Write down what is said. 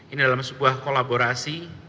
ini dalam sebuah kolaborasi